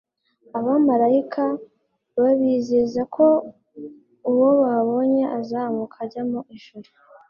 Abamaraika babizeza ko uwo babonye azamuka ajya mu ijuru,